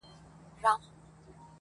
جګه لوړه ګل اندامه تکه سپینه؛